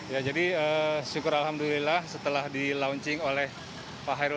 ya jadi syukur alhamdulillah setelah di launching oleh pak hairul